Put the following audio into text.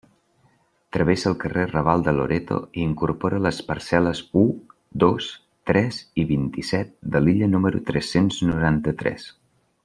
Travessa el carrer Raval de Loreto i incorpora les parcel·les u, dos, tres i vint-i-set de l'illa número tres-cents noranta-tres.